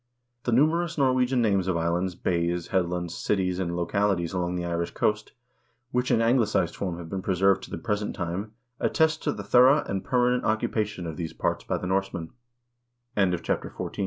The numerous Norwegian names of islands, bays, head lands, cities, and localities along the Irish coast, which in angli cized form have been preserved to the present time, attest to the thorough and permanent occupation of these p